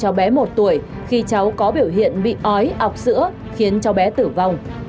cháu bé một tuổi khi cháu có biểu hiện bị ói ọc sữa khiến cháu bé tử vong